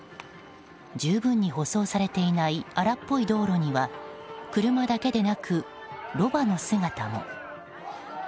十分に舗装されていない荒っぽい道路には車だけでなくロバの姿も。